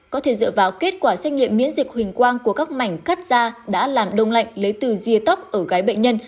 có thể dựa vào kết quả xét nghiệm miễn dịch huỳnh quang của các mảnh cắt da đã làm đông lạnh lấy từ rìa tóc ở gái bệnh nhân